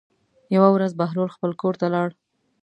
یوه ورځ بهلول خپل کور ته لاړ.